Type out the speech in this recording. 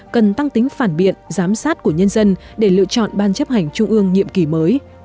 cần tăng tính phản biện giám sát của nhân dân để lựa chọn ban chấp hành trung ương nhiệm kỳ mới